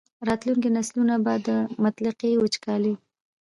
راتلونکي نسلونه به د مطلقې وچکالۍ.